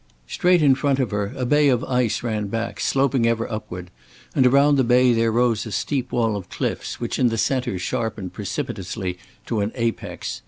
Straight in front of her a bay of ice ran back, sloping ever upward, and around the bay there rose a steep wall of cliffs which in the center sharpened precipitously to an apex.